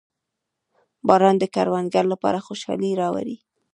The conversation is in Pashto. • باران د کروندګرو لپاره خوشحالي راوړي.